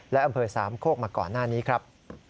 และอำเภอสามโคกมาก่อนหน้านี้ครับ